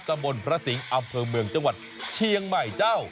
กระบวนพระสิงฮ์อำเภิงเมืองจังหวัดเชียงใหม่